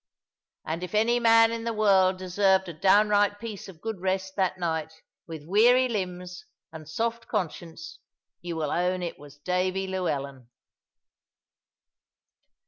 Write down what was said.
And if any man in the world deserved a downright piece of good rest that night, with weary limbs and soft conscience, you will own it was Davy Llewellyn.